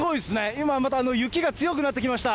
今、また雪が強くなってきました。